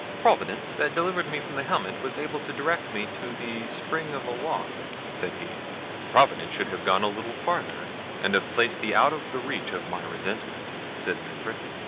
"Providence, that delivered me from the helmet, was able to direct me to the spring of a lock," said he. "Providence should have gone a little farther, and have placed thee out of the reach of my resentment," said Manfred.